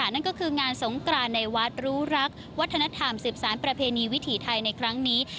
นั่นก็คืองานสงกรานในวัดรู้รักวัฒนธรรมสืบสารประเพณีวิถีไทยในครั้งนี้